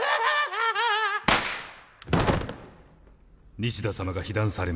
西田さまが被弾されました。